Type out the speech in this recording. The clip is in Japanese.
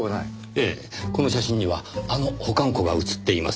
ええこの写真にはあの保管庫が写っていません。